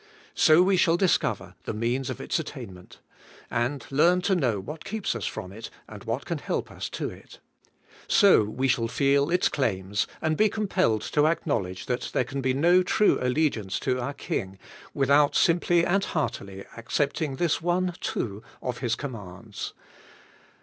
So we shall discover the means of its attainment, and learn to know what keeps us from it, and what can help us to it. So we shall feel its claims, and be compelled to acknowledge that there can be no true allegiance to our King without simply and heartily accepting this one, too, of His com mands.